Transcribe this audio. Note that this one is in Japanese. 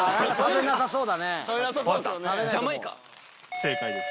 正解です。